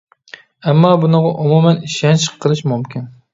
ئەمما، بۇنىڭغا ئومۇمەن ئىشەنچ قىلىش مۇمكىن.